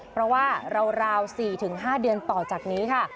เพราะว่าราว๔๕เดือนต่อจากนี้ค่ะ